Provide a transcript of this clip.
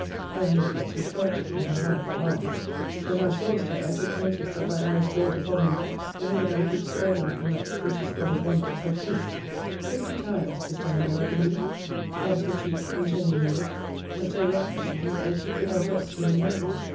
I need not describe to thee her hand and arm. When thou sawest her, I took notice that thy eyes dwelt upon them whenever thou couldst spare them from that beauty spot of wonders, her face fifty times kissed her hand, I believe once her cheek, intending her lip, but so rapturously, that she could not help seeming angry.